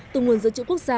từ nguồn dự trữ quốc gia